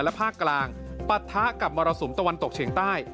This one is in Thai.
และภาคกลางปะทะกับมรสุมตะวันตกเฉียงใต้